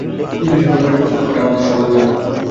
একুশে ফেব্রুয়ারির প্রেক্ষাপট আমাদের সবার জানা।